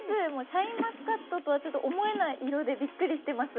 シャインマスカットとは思えない色でビックリしてます。